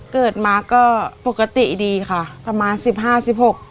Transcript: เกิดมาก็ปกติดีค่ะประมาณสิบห้าสิบหก